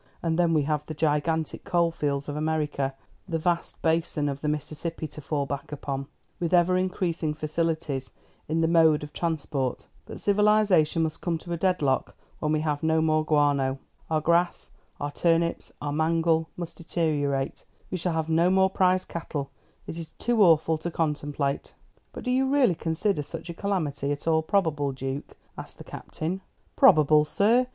And then we have the gigantic coal fields of America, the vast basin of the Mississippi to fall back upon, with ever increasing facilities in the mode of transport. But civilisation must come to a deadlock when we have no more guano. Our grass, our turnips, our mangel, must deteriorate, We shall have no more prize cattle. It is too awful to contemplate." "But do you really consider such a calamity at all probable, Duke?" asked the Captain. "Probable, sir?